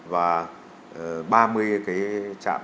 và ba mươi trạm đo mực nước tự động